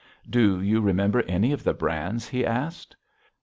"Do you remember any of the brands?" he asked.